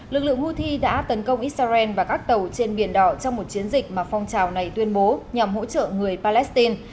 lực lượng houthi đã tấn công israel và các tàu trên biển đỏ trong một chiến dịch mà phong trào này tuyên bố nhằm hỗ trợ người palestine